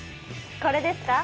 これですか？